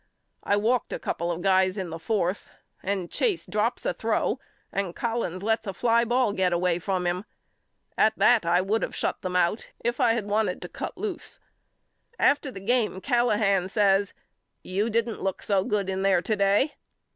I walked a couple of guys in the forth and Chase drops a throw and Collins lets a fly ball get away from him. At that I would of shut them out if I had wanted to cut loose. After the game Callahan says You didn't look so good in there to day.